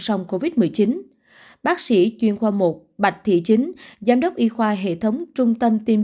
sông covid một mươi chín bác sĩ chuyên khoa một bạch thị chính giám đốc y khoa hệ thống trung tâm tiêm